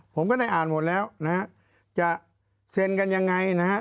ผมก็ได้อ่านหมดแล้วนะฮะ